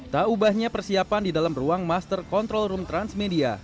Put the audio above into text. tak ubahnya persiapan di dalam ruang master control room transmedia